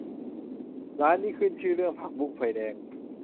ร้านนี้ขึ้นชื่อเรื่องผักบุ้งไฟแดง